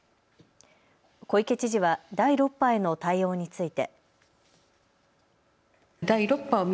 小池知事は第６波への対応について。